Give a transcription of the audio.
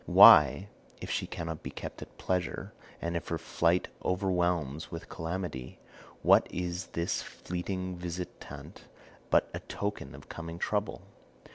Why, if she cannot be kept at pleasure, and if her flight overwhelms with calamity, what is this fleeting visitant but a token of coming trouble?